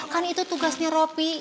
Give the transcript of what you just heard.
kan itu tugasnya ropi